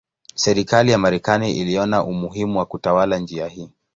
Serikali ya Marekani iliona umuhimu wa kutawala njia hii.